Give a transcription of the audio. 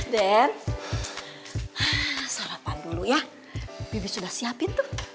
dan sarapan dulu ya bibi sudah siapin tuh